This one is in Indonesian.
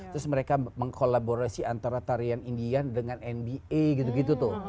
terus mereka mengkolaborasi antara tarian indian dengan nba gitu gitu tuh